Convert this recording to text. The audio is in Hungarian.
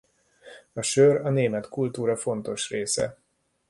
A sör a német kultúra fontos része.